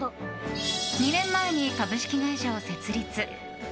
２年前に株式会社を設立。